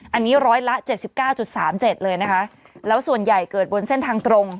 อันนี้ร้อยละเจ็ดสิบเก้าจุดสามเจ็ดเลยนะคะแล้วส่วนใหญ่เกิดบนเส้นทางตรง